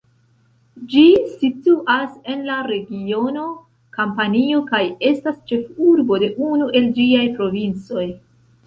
Ĝi situas en la regiono Kampanio kaj estas ĉefurbo de unu el ĝiaj provincoj.